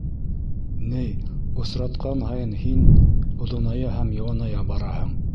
Ней, осратҡан һайын һин... оҙоная һәм йыуаная бараһың.